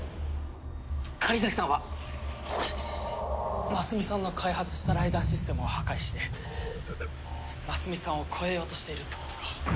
狩崎さんは真澄さんが開発したライダーシステムを破壊して真澄さんを超えようとしているってことか。